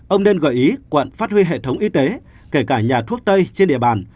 ông nên gợi ý quận phát huy hệ thống y tế kể cả nhà thuốc tây trên địa bàn